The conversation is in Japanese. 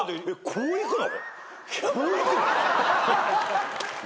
こう行くの？